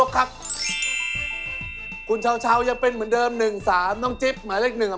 ขอบคุณไอ้เหมือนเดิมหมายเลขหนึ่ง